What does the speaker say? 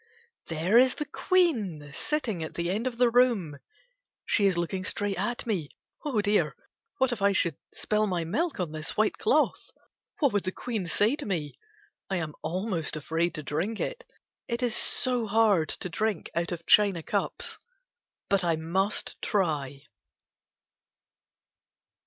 There is the Queen sitting at the end of the room. She is looking straight at me. Oh dear! What if I should spill my milk on this white cloth! What would the Queen say to me! I am almost afraid to diink it. It is so hard to drink out of china cups. But I must try.